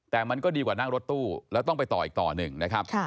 แต่มันก็ดีกว่านั่งรถตู้แล้วต้องไปต่ออีกต่อหนึ่งนะครับ